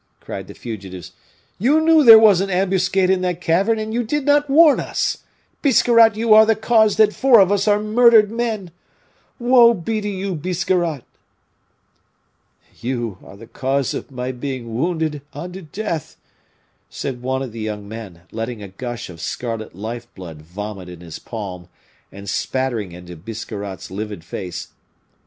cried the fugitives, "you knew there was an ambuscade in that cavern, and you did not warn us! Biscarrat, you are the cause that four of us are murdered men! Woe be to you, Biscarrat!" "You are the cause of my being wounded unto death," said one of the young men, letting a gush of scarlet life blood vomit in his palm, and spattering it into Biscarrat's livid face.